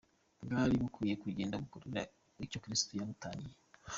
bwari bukwiye kugenda bugakora icyo Kristo yabutangiye.